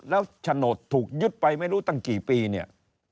แล้วฉโนตถูกยึดไปไม่รู้ตั้งกี่ปี